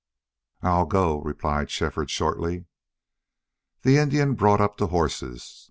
"I'll go," replied Shefford, shortly. The Indian brought up the horses.